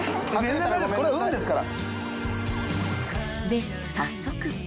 で早速！